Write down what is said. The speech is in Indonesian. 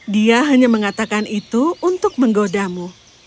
dia hanya mengatakan itu untuk menggodamu